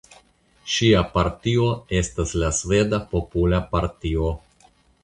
Ŝia partio estas la Sveda Popola Partio.